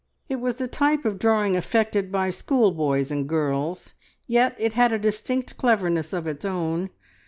It was the type of drawing affected by schoolboys and girls, yet it had a distinct cleverness of its own.